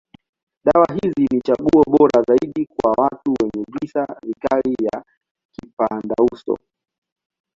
Dawa hizi ni chaguo bora zaidi kwa watu wenye visa vikali ya kipandauso.